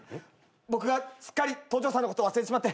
僕がすっかり東條さんのこと忘れてしまって。